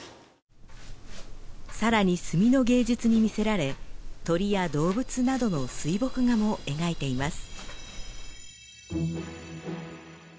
さらに墨の芸術に魅せられ鳥や動物などの水墨画も描いています。